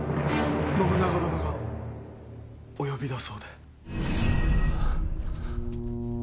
信長殿がお呼びだそうで。